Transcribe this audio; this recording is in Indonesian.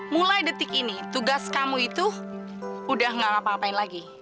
mulai detik ini tugas kamu itu udah gak ngapa ngapain lagi